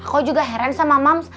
aku juga heran sama mams